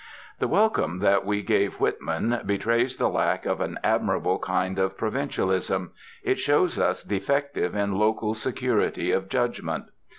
The welcome that we gave Whitman betrays the lack of an admirable kind of provincialism; it shows us defective in local security of judgment.